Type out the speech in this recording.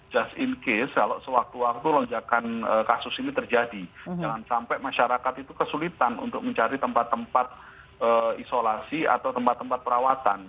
just in case kalau sewaktu waktu lonjakan kasus ini terjadi jangan sampai masyarakat itu kesulitan untuk mencari tempat tempat isolasi atau tempat tempat perawatan